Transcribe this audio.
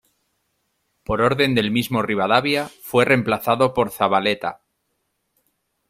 Por orden del mismo Rivadavia, fue reemplazado por Zavaleta.